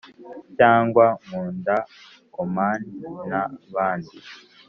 cyangwa "nkunda omani na bandi",